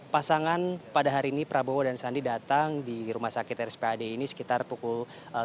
pasangan pada hari ini prabowo dan sandi datang di rumah sakit rspad ini sekitar pukul tiga belas